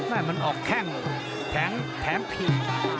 มันออกแข้งแผงผี